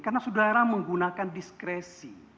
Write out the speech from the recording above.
karena saudara menggunakan diskresi